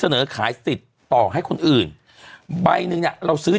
เป็นการกระตุ้นการไหลเวียนของเลือด